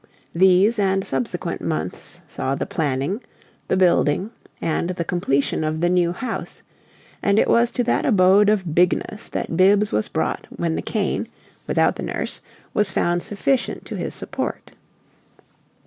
These and subsequent months saw the planning, the building, and the completion of the New House; and it was to that abode of Bigness that Bibbs was brought when the cane, without the nurse, was found sufficient to his support.